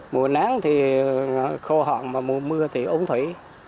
mùa nắng thì khô hạn và mùa mưa thì ống thủy